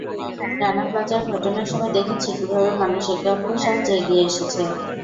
রানা প্লাজার ঘটনার সময় দেখেছি, কীভাবে মানুষ একে অপরের সাহায্যে এগিয়ে এসেছে।